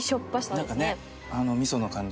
なんかねあの味噌の感じ。